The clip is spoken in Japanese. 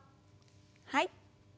はい。